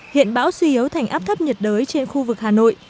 hiện bão suy yếu thành áp thấp nhiệt đới trên khu vực hà nội